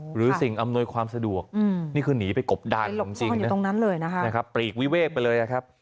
หรือสิ่งอำนวยความสะดวกนี่คือหนีไปกบดานจริงนะครับปลีกวิเวกไปเลยนะครับ